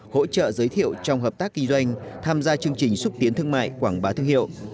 hỗ trợ giới thiệu trong hợp tác kinh doanh tham gia chương trình xúc tiến thương mại quảng bá thương hiệu